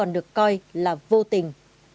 được coi là vô tình